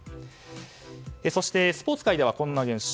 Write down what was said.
そして、スポーツ界ではこんな現象。